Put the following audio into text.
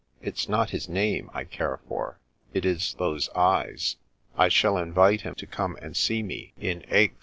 It's not his name I care for. It is those eyes. I shall invite him to come and see me in Aix.